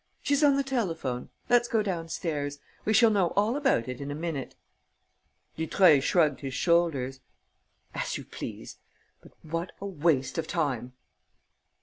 She's on the telephone. Let's go downstairs. We shall know all about it in a minute." Dutreuil shrugged his shoulders: "As you please; but what a waste of time!"